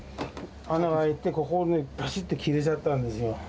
穴が開いて、ここ、ぱしっと切れちゃったんですよ。